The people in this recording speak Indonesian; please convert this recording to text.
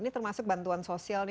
ini termasuk bantuan sosial nih